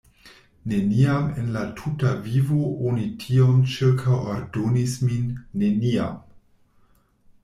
"Neniam en la tuta vivo oni tiom ĉirkaŭordonis min, neniam!"